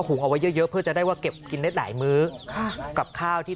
ุงเอาไว้เยอะเยอะเพื่อจะได้ว่าเก็บกินได้หลายมื้อค่ะกับข้าวที่